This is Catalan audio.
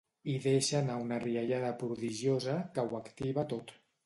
I deixa anar una riallada prodigiosa que ho activa tot.